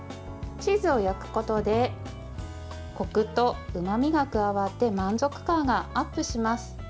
チーズを焼くことでこくとうまみが加わって満足感がアップします。